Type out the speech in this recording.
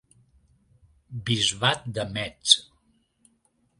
Bisbat de Metz.